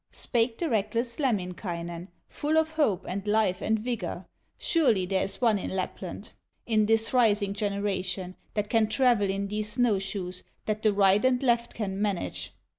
Spake the reckless Lemminkainen, Full of hope, and life, and vigor: "Surely there is one in Lapland. In this rising generation, That can travel in these snow shoes, That the right and left can manage."